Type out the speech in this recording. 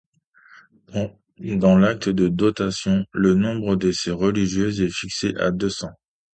Dans l'acte de dotation, le nombre de ces religieuses est fixé à deux cents.